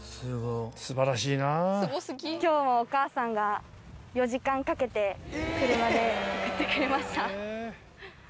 今日もお母さんが４時間かけて車で送ってくれました。